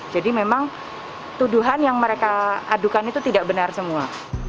jadi memang tuduhan yang mereka adukan itu tidak benar semua